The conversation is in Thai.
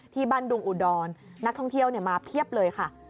บ้านดุงอุดรนักท่องเที่ยวมาเพียบเลยค่ะ